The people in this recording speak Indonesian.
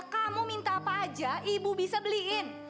kamu minta apa aja ibu bisa beliin